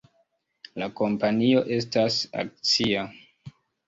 La kompanio estas akcia.